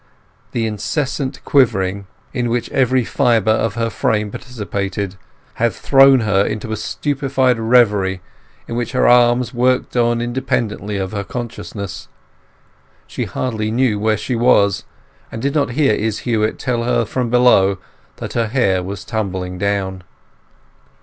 The incessant quivering, in which every fibre of her frame participated, had thrown her into a stupefied reverie in which her arms worked on independently of her consciousness. She hardly knew where she was, and did not hear Izz Huett tell her from below that her hair was tumbling down.